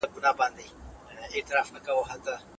کندهاري غالۍ څنګه اوبدل کيږي؟